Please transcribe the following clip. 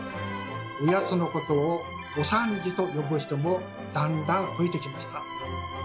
「御八つ」のことを「お３時」と呼ぶ人もだんだん増えてきました。